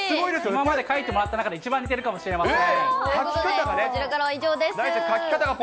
今まで描いてもらった中で一番似てるかもしれません。